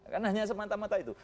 karena hanya semata mata itu